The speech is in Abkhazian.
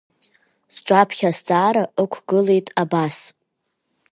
Сҿаԥхьа азҵаара ықәгылеит абас…